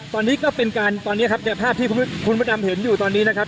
ตอนนี้ก็เป็นการตอนนี้ครับเนี่ยภาพที่คุณพระดำเห็นอยู่ตอนนี้นะครับ